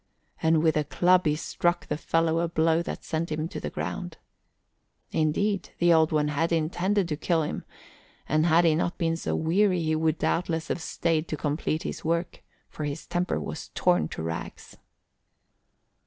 And with a club he struck the fellow a blow that sent him to the ground. Indeed, the Old One had intended to kill him, and had he not been so weary, he would doubtless have stayed to complete his work, for his temper was torn to rags.